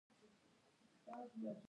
د کاشان ګلاب اوبه مشهورې دي.